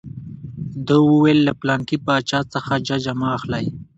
ده وویل له پلانکي باچا څخه ججه مه اخلئ.